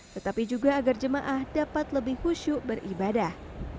tetapi juga agar jemaah dapat lebih khusyuk beribadah